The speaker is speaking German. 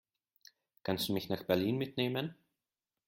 Kannst du mich nach Berlin mitnehmen?